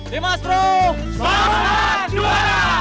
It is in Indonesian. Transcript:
tim aspro semangat juara